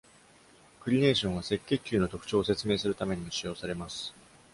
クリネーションは、赤血球の特徴を説明するためにも使用されます。